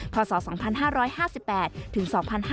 ข้อสอด๒๕๕๘ถึง๒๕๗๙